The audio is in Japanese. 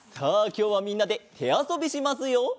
きょうはみんなでてあそびしますよ！